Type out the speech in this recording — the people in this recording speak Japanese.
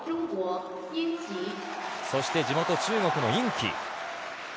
そして地元・中国のイン・キ。